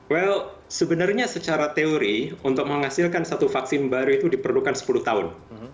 well sebenarnya secara teori untuk menghasilkan satu vaksin baru itu diperlukan sepuluh tahun